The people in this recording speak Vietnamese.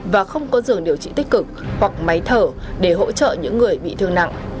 và không có giường điều trị tích cực hoặc máy thở để hỗ trợ những người bị thương nặng